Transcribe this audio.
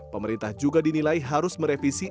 pemerintah juga dinilai harus merevisi